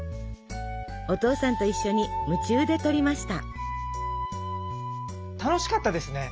お父さんと一緒に夢中で採りました。